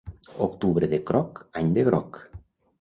Octubre de croc, any de groc.